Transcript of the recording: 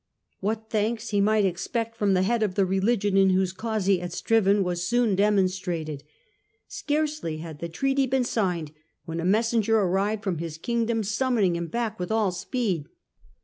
What thanks he might expect from the head of the religion in whose cause he had striven was soon demon strated. Scarcely had the treaty been signed when a messenger arrived from his Kingdom summoning him back with all speed.